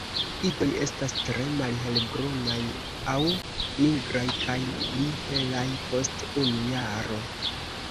Idoj estas tre malhelbrunaj aŭ nigraj kaj pli helaj post unu jaro.